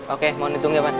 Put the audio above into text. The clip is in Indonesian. oke mau nitung ya mas